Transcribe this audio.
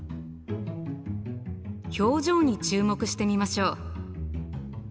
表情に注目してみましょう。